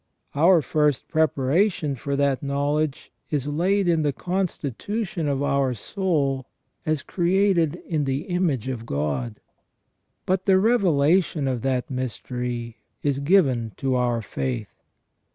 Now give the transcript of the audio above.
Our first preparation for that knowledge is laid in the con stitution of our soul as created in the image of God ; but the revelation of that mystery is given to our faith.